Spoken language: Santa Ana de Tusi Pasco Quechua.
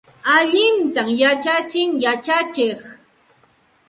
Allintam yachachin yachachiqqa.